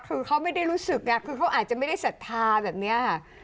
คือเขาไม่ได้รู้สึกคือเขาอาจจะไม่ได้ศรัทธาแบบนี้ค่ะ